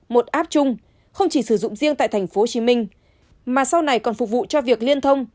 một app chung không chỉ sử dụng riêng tại tp hcm mà sau này còn phục vụ cho việc liên thông